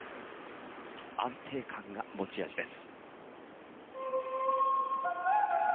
安定感が持ち味です。